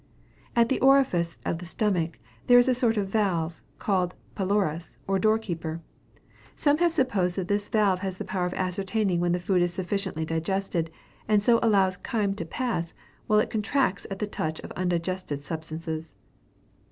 I. At the orifice of the stomach, there is a sort of a valve, called pylorus, or door keeper. Some have supposed that this valve has the power of ascertaining when the food is sufficiently digested, and so allows chyme to pass, while it contracts at the touch of undigested substances.